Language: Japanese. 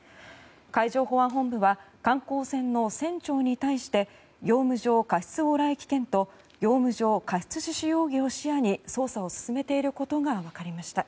海上保安本部は観光船の船長に対して業務上過失往来危険と業務上過失致死容疑を視野に捜査を進めていることがわかりました。